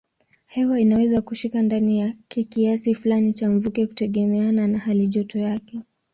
Hewa inaweza kushika ndani yake kiasi fulani cha mvuke kutegemeana na halijoto yake.